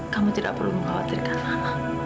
kamu tidak perlu mengkhawatirkan mama